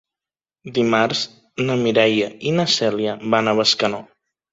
Dimarts na Mireia i na Cèlia van a Bescanó.